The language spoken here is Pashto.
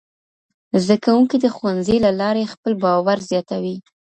زدهکوونکي د ښوونځي له لارې خپل باور زیاتوي.